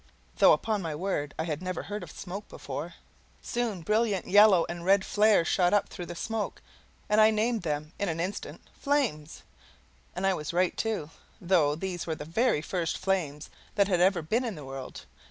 though, upon my word, I had never heard of smoke before. Soon brilliant yellow and red flares shot up through the smoke, and I named them in an instant FLAMES and I was right, too, though these were the very first flames that had ever been in the world.